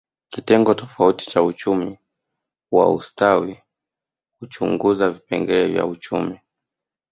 Kitengo tofauti cha uchumi wa ustawi huchunguza vipengele vya uchumi